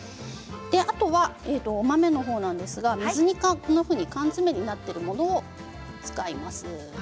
あとはお豆のほうですが水煮缶缶詰になっているものを使います。